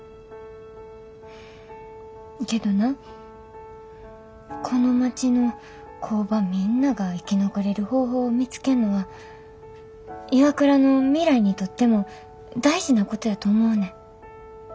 けどなこの町の工場みんなが生き残れる方法を見つけんのはＩＷＡＫＵＲＡの未来にとっても大事なことやと思うねん。